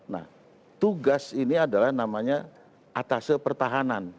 nah tugas ini adalah namanya atas pertahanan